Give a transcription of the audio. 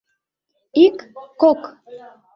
Ик, кок!